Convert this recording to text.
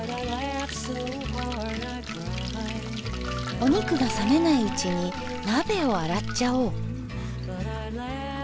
お肉が冷めないうちに鍋を洗っちゃおう。